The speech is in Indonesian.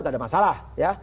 nggak ada masalah ya